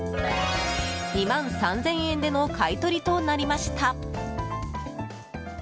２万３０００円での買い取りとなりました。